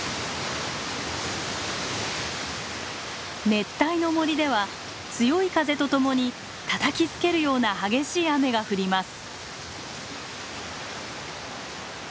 熱帯の森では強い風とともにたたきつけるような激しい雨が降ります。